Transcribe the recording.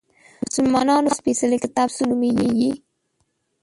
د مسلمانانو سپیڅلی کتاب څه نومیږي؟